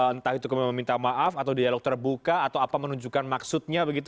entah itu meminta maaf atau dialog terbuka atau apa menunjukkan maksudnya begitu